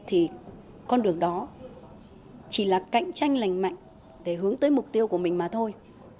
thì con đường đó chỉ là cạnh tranh lành mạnh để hướng tới mục tiêu của mình mà thôi